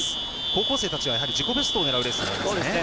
高校生たちは自己ベストを狙うレースになりますね。